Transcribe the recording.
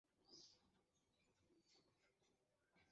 আরে কাজ কিছু না।